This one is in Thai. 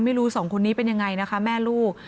สองคนนี้เป็นยังไงนะคะแม่ลูก